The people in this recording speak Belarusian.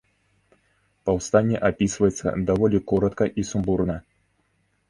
Паўстанне апісваецца даволі коратка і сумбурна.